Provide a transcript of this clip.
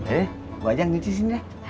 eh gue ajak nginci sini deh